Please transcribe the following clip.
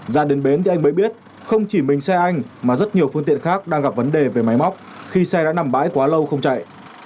ra đến bến thì anh mới biết không chỉ mình xe anh mà rất nhiều phương tiện khác đang gặp vấn đề về máy móc khi xe đã nằm bãi quá lâu không chạy